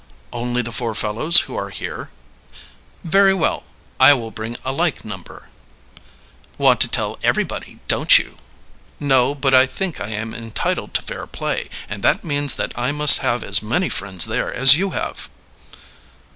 "Only the four fellows who are here." "Very well; I will bring a like number." "Want to tell everybody, don't you?" "No, but I think I am entitled to fair play; and that means that I must have as many friends there as you have."